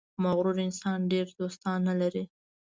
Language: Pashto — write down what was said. • مغرور انسان ډېر دوستان نه لري.